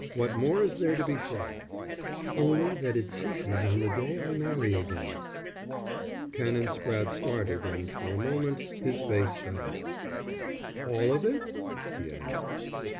What more is there to be said?" "Only that it ceases on the day I marry again." Canon Spratte started and for a moment his face fell. "All of it?" he asked.